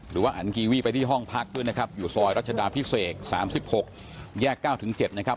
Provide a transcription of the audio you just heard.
หรือว่าอันกีวีไปที่ห้องพักด้วยนะครับอยู่ซอยรัชดาพิเศษ๓๖แยก๙๗นะครับ